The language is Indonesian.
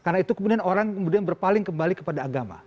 nah itu kemudian orang berpaling kembali kepada agama